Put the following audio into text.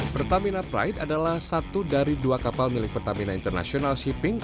pertamina pride adalah satu dari dua kapal milik pertamina international shipping